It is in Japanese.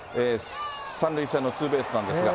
３塁線のツーベースなんですが。